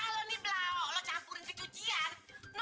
eh kalau ini belakang lo campurin ke cucian